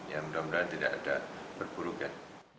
ya mudah mudahan tidak ada perburukan